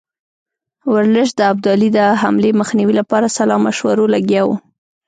ورلسټ د ابدالي د حملې مخنیوي لپاره سلا مشورو لګیا وو.